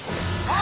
あ！